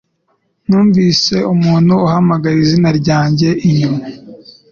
Numvise umuntu uhamagara izina ryanjye inyuma